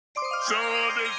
そうです